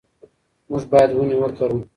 موږ باید ونې وکرو.